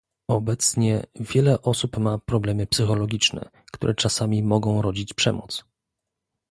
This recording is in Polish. Obecnie wiele osób ma problemy psychologiczne, które czasami mogą rodzić przemoc